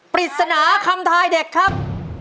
ปริศนาคำทายเด็กครับ